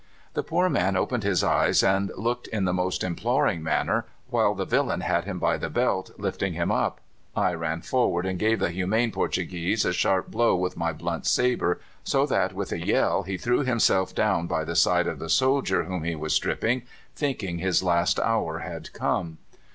"The poor man opened his eyes and looked in the most imploring manner, while the villain had him by the belt, lifting him up. I ran forward and gave the humane Portuguese a sharp blow with my blunt sabre, so that with a yell he threw himself down by the side of the soldier whom he was stripping, thinking his last hour had come.